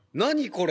これ。